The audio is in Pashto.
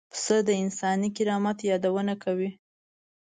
پسه د انساني کرامت یادونه کوي.